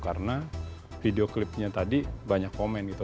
karena video clipnya tadi banyak komen gitu